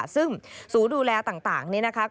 ซึ่งศูนย์ดูแลต่าง